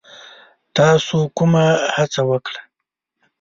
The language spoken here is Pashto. تاسو کومه هڅه وکړه؟